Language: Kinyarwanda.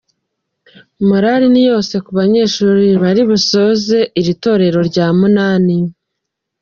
Morale ni yose ku banyeshuri bari busoze iri torero rya munani.